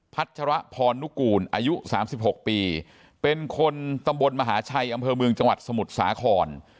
ัชรพรนุกูลอายุ๓๖ปีเป็นคนตำบลมหาชัยอำเภอเมืองจังหวัดสมุทรสาคร